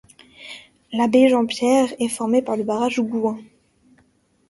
La baie Jean-Pierre est formée par le barrage Gouin.